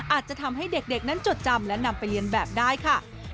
อาจจะทำให้เด็กนั้นจดจำและนำไปเรียนแบบได้ค่ะ